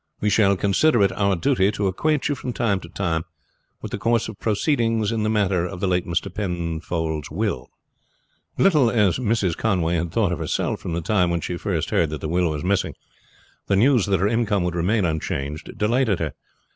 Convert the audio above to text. We shall consider it our duty to acquaint you from time to time with the course of proceedings in the matter of the late Mr. Penfold's will." Little as Mrs. Conway had thought of herself from the time when she first heard that the will was missing, the news that her income would remain unchanged delighted her.